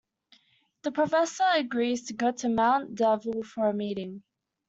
The professor agrees to go to Mount Devil for a meeting.